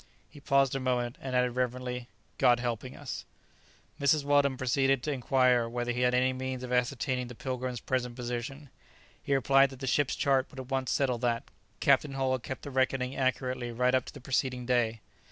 He paused a moment and added reverently, "God helping us." Mrs. Weldon proceeded to inquire whether he had any means of ascertaining the "Pilgrim's" present position. He replied that the ship's chart would at once settle that. Captain Hull had kept the reckoning accurately right up to the preceding day.